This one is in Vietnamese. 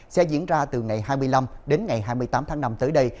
sẽ diễn ra từ ngày hai mươi năm đến ngày hai mươi tám tháng năm tới đây